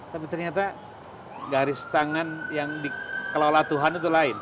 tapi ternyata garis tangan yang dikelola tuhan itu lain